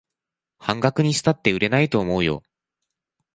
半額にしたって売れないと思うよ